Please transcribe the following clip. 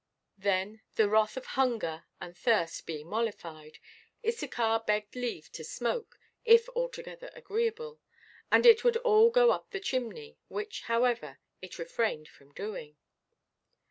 Then, the wrath of hunger and thirst being mollified, Issachar begged leave to smoke, if altogether agreeable, and it would all go up the chimney; which, however, it refrained from doing.